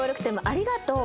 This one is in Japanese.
「ありがとう」